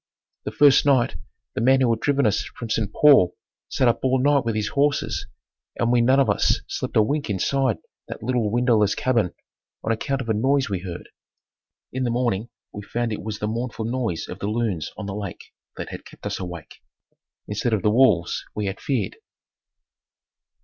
The first night the man who had driven us from St. Paul sat up all night with his horses and we none of us slept a wink inside that little windowless cabin on account of a noise we heard. In the morning we found it was the mournful noise of the loons on the lake that had kept us awake, instead of the wolves we had feared.